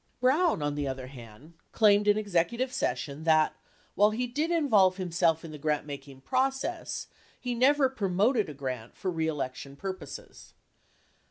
68 Brown, on the other hand, claimed in executive session, that, while he did involve himself in the grant making process, he never promoted a grant for reelection purposes.